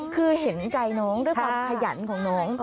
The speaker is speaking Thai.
คือเห็นใจน้องด้วยความขยันของน้อง